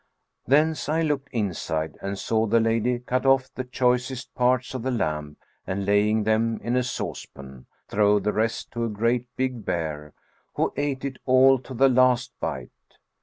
Thence I looked inside and saw the lady cut off the choicest parts of the lamb and laying them in a saucepan, throw the rest to a great big bear, who ate it all to the last bite.